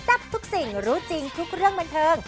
ทับทุกสิ่งรู้จริงทุกเรื่องบันเทิง